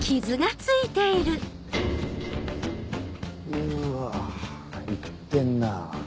うわいってんなぁ。